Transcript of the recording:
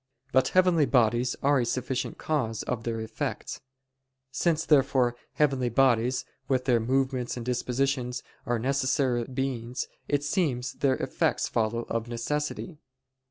But heavenly bodies are a sufficient cause of their effects. Since, therefore, heavenly bodies, with their movements and dispositions, are necessary beings; it seems that their effects follow of necessity.